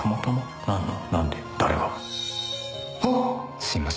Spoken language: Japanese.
「すいません